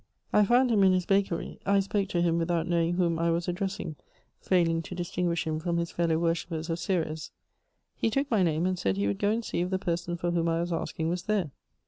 I found him in his bakery; I spoke to him without knowing whom I was addressing, failing to distinguish him from his fellow worshippers of Ceres. He took my name and said he would go and see if the person for whom I was asking was there.